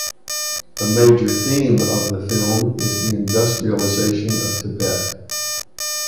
A major theme of the film is the industrialization of Tibet.